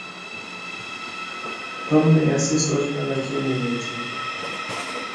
ہم میں ایسی سوچ پیدا کیوں نہیں ہوتی؟